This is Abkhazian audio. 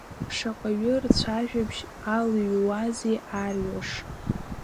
Шаҟаҩы рцәажәабжь алыҩуазеи арҩаш.